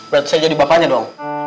berarti saya jadi bapaknya dong